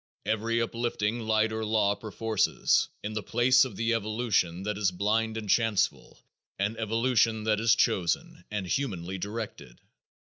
Every uplifting light or law perforces, in the place of the evolution that is blind and chanceful, an evolution that is chosen and humanly directed."